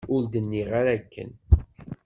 Ur d-nniɣ ara akken.